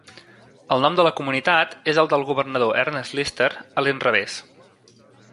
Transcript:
El nom de la comunitat és el del governador Ernest Lister, a l'inrevés.